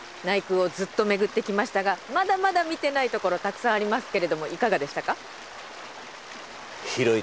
内宮をずっとめぐってきましたがまだまだ見てないところたくさんありますけれどもいかがでしたか？